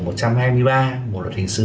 một trăm hai mươi ba bộ luật hình sự